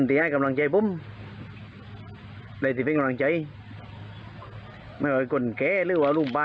ที่ให้กำลังใจผมได้ถิดเป็นกำลังใจไม่แครถรุ่นปลา